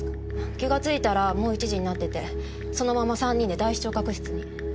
気がついたらもう１時になっててそのまま３人で大視聴覚室に。